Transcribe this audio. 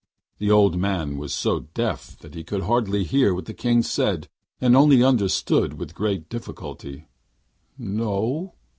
The old man was so deaf that he could hardly hear what the King said, and only understood with great difficulty. 'No!'